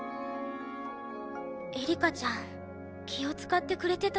エリカちゃん気を使ってくれてたんだ。